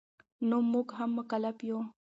نو مونږ هم مکلف یو